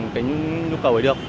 cái nhu cầu này được